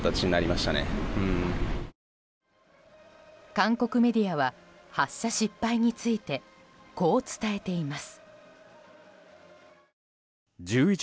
韓国メディアは発射失敗についてこう伝えています。